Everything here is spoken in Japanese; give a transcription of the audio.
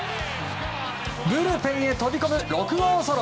ブルペンへ飛び込む６号ソロ。